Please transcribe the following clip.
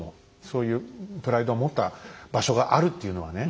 そういうプライドを持った場所があるっていうのはね。